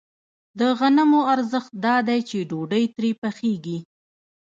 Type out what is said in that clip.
د غنمو ارزښت دا دی چې ډوډۍ ترې پخېږي